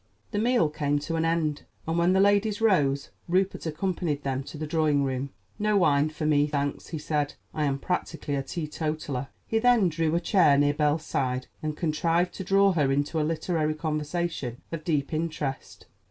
The meal came to an end, and when the ladies rose Rupert accompanied them to the drawing room. "No wine for me, thanks," he said. "I am practically a teetotaler." He then drew a chair near Belle's side, and contrived to draw her into a literary conversation of deep interest.